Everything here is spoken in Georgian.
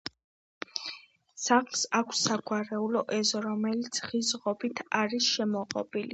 სახლს აქვს საგვარეულო ეზო, რომელიც ხის ღობით არის შემოღობილი.